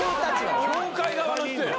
協会側の人やん。